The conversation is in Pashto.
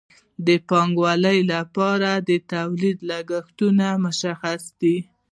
د پانګوال لپاره د تولید لګښتونه مشخص دي